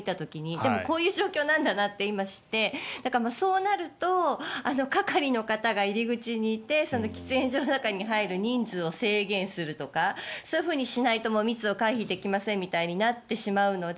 でも、こういう状況なんだなって今、知ってそうなると係の方が入り口にいて喫煙所の中に入る人数を制限するとかそういうふうにしないと密を回避できませんみたいになってしまうので。